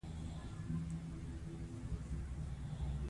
له وخت څخه سمه ګټه پورته کړئ.